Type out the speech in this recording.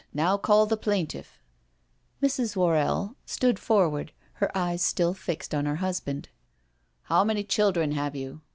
Now call the plaintiff." Mrs. Worrell stood forward, her eyes still fixed on her husband. " How many children have you?"